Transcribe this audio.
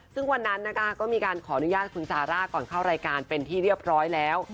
ซึ่งวันนั้นนะคะก็มีการขออนุญาตคุณซาร่าก่อนเข้ารายการเป็นที่เรียบร้อยแล้ว